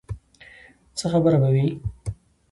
څه خبره به وي.